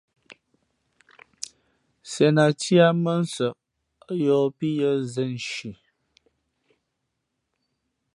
Sēn a cēh ā mά ń nsαꞌ ά yōhpíyʉ̄ᾱ zēn nshi.